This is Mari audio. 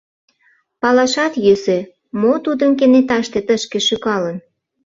Палашат йӧсӧ — мо тудым кенеташте тышке шӱкалын?